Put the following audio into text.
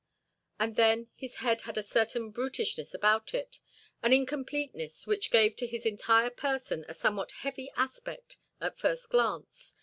And then his head had a certain brutishness about it, an incompleteness, which gave to his entire person a somewhat heavy aspect at first glance.